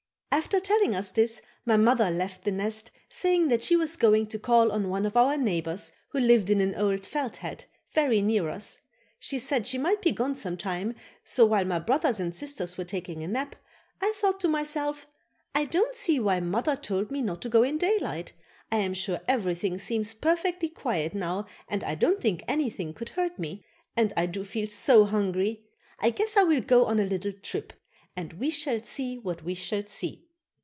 After telling us this, my mother left the nest saying that she was going to call on one of our neighbors who lived in an old felt hat, very near us. She said she might be gone some time, so, while my brothers and sisters were taking a nap, I thought to myself: "I don't see why mother told me not to go in daylight. I am sure everything seems perfectly quiet now and I don't think anything could hurt me; and I do feel so hungry. I guess I will go on a little trip, and 'we shall see what we shall see.